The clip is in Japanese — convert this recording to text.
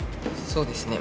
そうですね